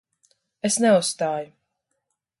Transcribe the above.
Es neuzstāju.